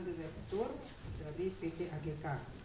direktur dari pt agk